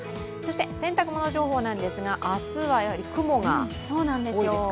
洗濯物情報なんですが、明日は雲が多いですか？